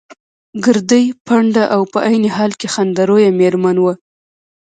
ګردۍ، پنډه او په عین حال کې خنده رویه مېرمن وه.